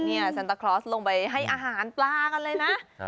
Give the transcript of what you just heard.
นี่ซันตาคลอสลงไปให้อาหารปลากันเลยนะ